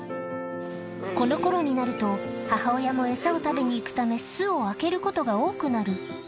このころになると、母親も餌を食べに行くため、巣を空けることが多くなる。